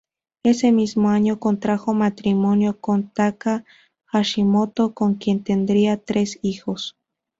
Ese mismo año, contrajo matrimonio con Taka Hashimoto, con quien tendría tres hijos.